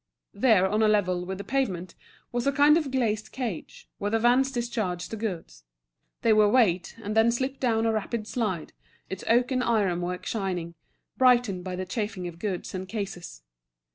There, on a level with the pavement, was a kind of glazed cage, where the vans discharged the goods. They were weighed, and then slipped down a rapid slide, its oak and iron work shining, brightened by the chafing of goods and cases.